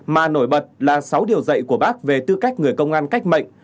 mà nổi bật là sáu điều dạy của bác về tư cách người công an cách mệnh